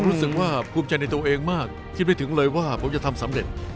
ผมรู้สึกว่าผมจำเป็นความผูมใจตัวเองมากคิดไม่ถึงทึกเลยว่าก็ทำสำเร็จ